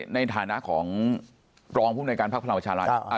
ในฐานะของรองผู้ในการภักดิ์ฟลังประชาวัล